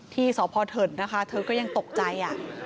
ที่สพเถินนะคะเธอก็ยังตกใจ